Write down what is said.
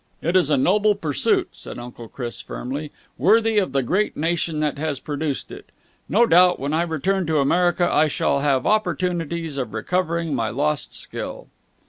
"It is a noble pursuit," said Uncle Chris firmly. "Worthy of the great nation that has produced it. No doubt, when I return to America, I shall have opportunities of recovering my lost skill."